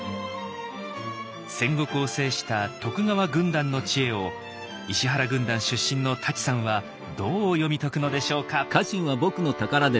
戦国を制した徳川軍団の知恵を石原軍団出身の舘さんはどう読み解くのでしょうか。